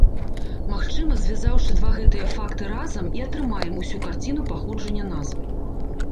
Магчыма, звязаўшы два гэтыя факты разам і атрымаем усю карціну паходжання назвы.